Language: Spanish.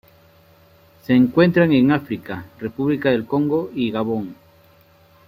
Se encuentran en África: República del Congo y Gabón.